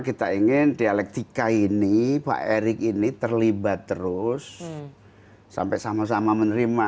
kita ingin dialektika ini pak erick ini terlibat terus sampai sama sama menerima